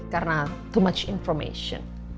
karena terlalu banyak informasi